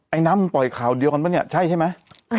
น้ำมันปล่อยข่าวเดียวกันปะเนี่ยใช่ใช่ไหม